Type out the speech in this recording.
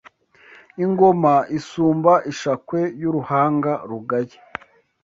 Ingoma isumba ishakwe y’uruhanga rugaye